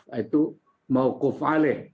yaitu mawkuf alih